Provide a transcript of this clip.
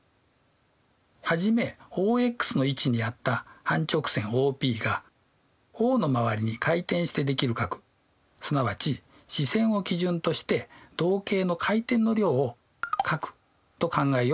はじめＯＸの位置にあった半直線ＯＰがＯのまわりに回転してできる角すなわち始線を基準として動径の回転の量を角と考えようということです。